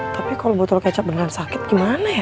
tapi kalau botol kecap dengan sakit gimana ya